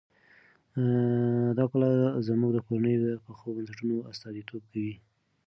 دا کلا زموږ د کورنۍ د پخو بنسټونو استازیتوب کوي.